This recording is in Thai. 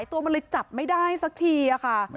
ช่องบ้านต้องช่วยแจ้งเจ้าหน้าที่เพราะว่าโดนฟันแผลเวิกวะค่ะ